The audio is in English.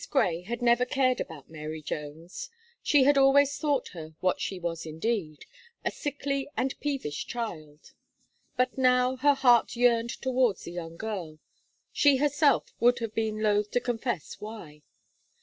Gray had never cared about Mary Jones; she had always thought her what she was indeed a sickly and peevish child. But now her heart yearned towards the young girl, she herself would have been loth to confess why.